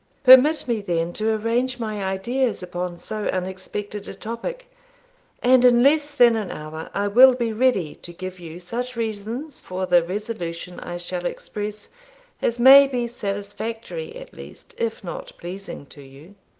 Permit me then to arrange my ideas upon so unexpected a topic, and in less than an hour I will be ready to give you such reasons for the resolution I shall express as may be satisfactory at least, if not pleasing to you.'